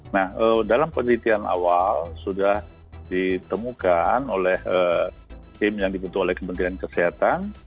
nah dalam penelitian awal sudah ditemukan oleh tim yang dibentuk oleh kementerian kesehatan